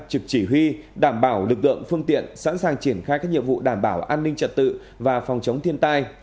trực chỉ huy đảm bảo lực lượng phương tiện sẵn sàng triển khai các nhiệm vụ đảm bảo an ninh trật tự và phòng chống thiên tai